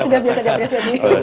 sudah biasa biasa aja